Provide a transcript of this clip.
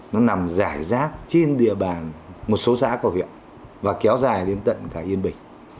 nó nằm rải rác trên địa bàn một số xã của huyện và kéo dài đến tận cả yên bình